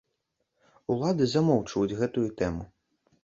Улады замоўчваюць гэтую тэму.